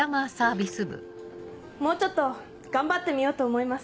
もうちょっと頑張ってみようと思います。